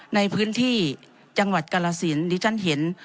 ในพื้นที่จังหวัดกราศิลป์ดิฉันเห็น